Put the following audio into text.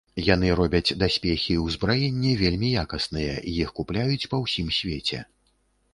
Яны робяць даспехі і ўзбраенне, вельмі якасныя, іх купляюць па ўсім свеце.